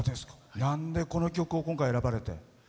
なんでこの曲を今回、選ばれて？